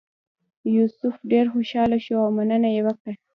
یوسف ډېر خوشاله شو او مننه یې وکړه.